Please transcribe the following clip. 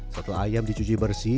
setelah ayam dicuci bersih